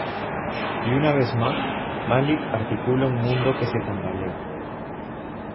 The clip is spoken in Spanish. Y una vez más, Malick articula un mundo que se tambalea.